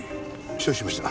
承知しました。